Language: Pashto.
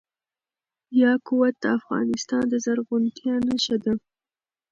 یاقوت د افغانستان د زرغونتیا نښه ده.